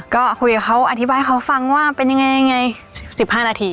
ก็คุยกับเขาอธิบายเขาฟังว่าเป็นยังไง๑๕นาที